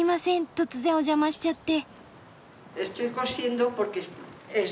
突然お邪魔しちゃって。